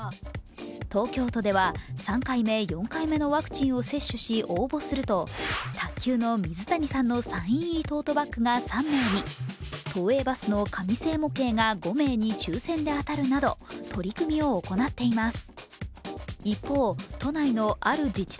東京都では３回目、４回目のワクチンを接種し応募すると卓球の水谷さんのサイン入りトートバッグが３名に都営バスの紙製模型が５名に抽選で当たるなど、取り組みを行っています。